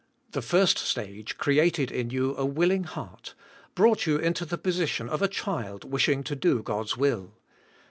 The first stage created in you a willing heart — brought you into the position of a child wish ing to do God's will.